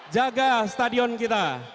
jaga stadion kita